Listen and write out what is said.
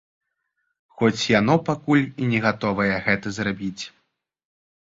Хоць яно пакуль і не гатовае гэта зрабіць.